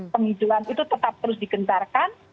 penghijauan itu tetap terus digencarkan